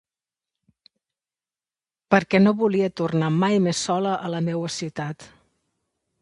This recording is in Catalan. Perquè no volia tornar mai més sola a la meua ciutat.